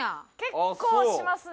結構しますね。